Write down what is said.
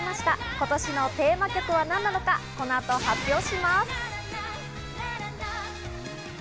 今年のテーマ曲は何なのか、この後、発表します。